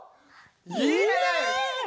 いいね！